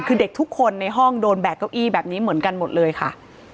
คือเด็กทุกคนในห้องโดนแบกเก้าอี้แบบนี้เหมือนกันหมดเลยค่ะ